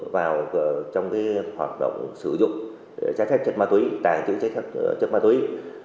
vào trong hoạt động sử dụng trái phép chất ma túy tàng trữ chất ma túy